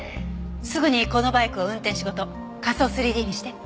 すぐにこのバイクを運転手ごと仮想３Ｄにして。